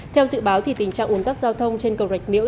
theo dự báo tình trạng ồn tắc giao thông trên cầu rạch miễu